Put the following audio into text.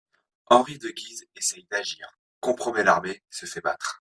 Henri de Guise essaye d'agir, compromet l'armée, se fait battre.